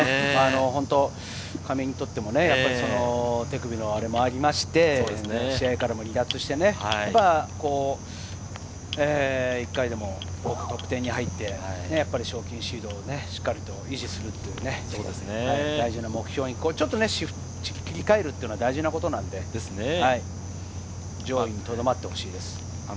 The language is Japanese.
上井にとっても手首のアレもありまして、試合から離脱して、１回でも多くトップ１０に入って、賞金シードをしっかりと維持する、大事な目標に切り替えることも大事なことなので、上位にとどまってほしいです。